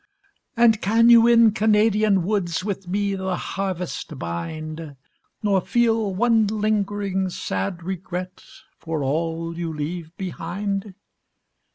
And can you in Canadian woods With me the harvest bind, Nor feel one lingering, sad regret For all you leave behind?